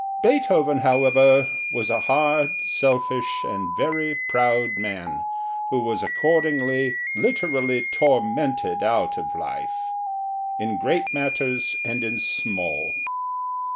Beethoven however, was a hard, selfish, and very proud man, who was accordingly literally tormented out of life, in great matters and in small.